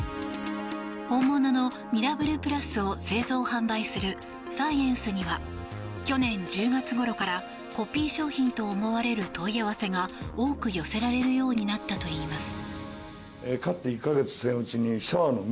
本物のミラブルｐｌｕｓを製造・販売するサイエンスには去年１０月ごろからコピー商品と思われる問い合わせが多く寄せられるようになったといいます。